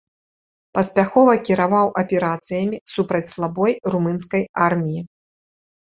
Паспяхова кіраваў аперацыямі супраць слабой румынскай арміі.